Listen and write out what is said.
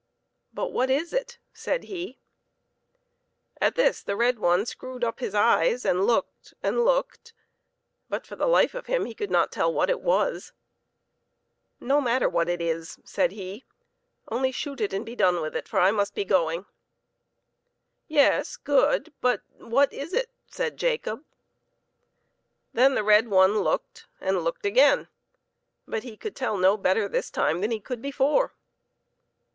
" But what is it ?" said he. At this the red one screwed up his eyes, and looked and looked, but for the life of him he could not tell what it was. " No matter what it is," said he, " only shoot and be done with it, for I must be going." " Yes, good ! But what is it ?" said Jacob. Then the red one looked and looked again, but he could tell no better this time than he could before.